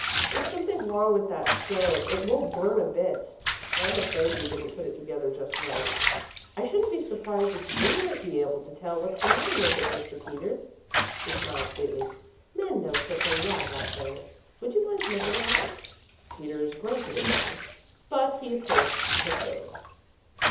"There's something wrong with that stove; it won't burn a bit. I am afraid we didn't put it together just right. I shouldn't be surprised if you might be able to tell what's the matter with it, Mr. Peters." She smiled sweetly. "Men know such a lot about such things! Would you mind looking at it?" Peters grunted again; but he approached the stove.